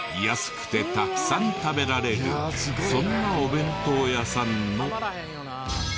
安くてたくさん食べられるそんなお弁当屋さんの。